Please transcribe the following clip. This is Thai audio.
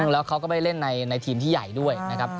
แล้วเขาก็ไม่เล่นในทีมที่ใหญ่ด้วย